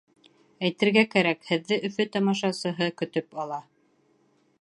Әйтергә кәрәк: һеҙҙе Өфө тамашасыһы көтөп ала.